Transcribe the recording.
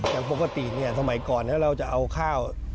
อย่างปกติเนี่ยสมัยก่อนเราจะเอาข้าว